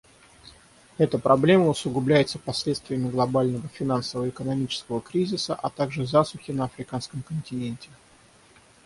Эта проблема усугубляется последствиями глобального финансово-экономического кризиса, а также засухи на Африканском континенте.